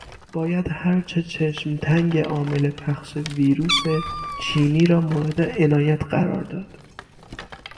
باید هر چه چشم تنگ عامل پخش ویروس چینی را مورد عنایت قرار داد